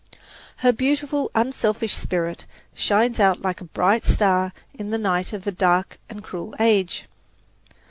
Her beautiful, unselfish spirit shines out like a bright star in the night of a dark and cruel age.